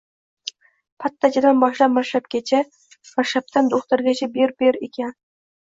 Pattachidan boshlab mirshabgacha, mirshabdan do‘xtirgacha ber-ber ekan